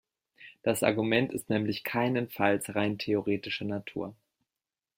Das Argument ist nämlich keinesfalls rein theoretischer Natur.